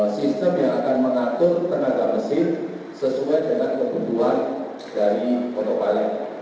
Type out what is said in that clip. sistem yang akan mengatur tenaga mesin sesuai dengan kebutuhan dari monovali